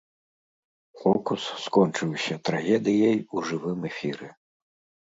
Фокус скончыўся трагедыяй у жывым эфіры.